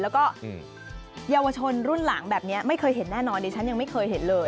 แล้วก็เยาวชนรุ่นหลังแบบนี้ไม่เคยเห็นแน่นอนดิฉันยังไม่เคยเห็นเลย